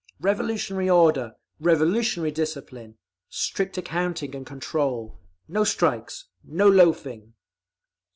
Revolutionary order. Revolutionary discipline! Strict accounting and control! No strikes! No loafing!